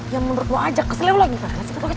ya menurut lo aja kesel lagi